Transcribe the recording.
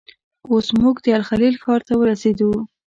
اوس موږ د الخلیل ښار ته ورسېدو.